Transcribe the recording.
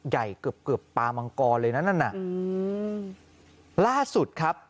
ใหญ่เกือบเกือบปามังกรเลยนะนั่นน่ะอืมล่าสุดครับ